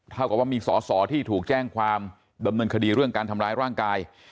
เท่ากับว่ามีสอสอที่ถูกแจ้งความดำเนินคดีเรื่องการทำร้ายร่างกาย